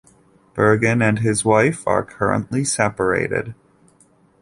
Bergin and his wife are currently separated.